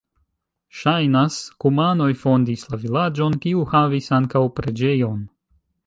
Ŝajnas, kumanoj fondis la vilaĝon, kiu havis ankaŭ preĝejon.